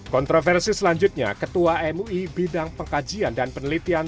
kontroversi selanjutnya ketua mui bidang pengkajian dan penelitian